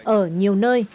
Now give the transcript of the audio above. ở nhiều nơi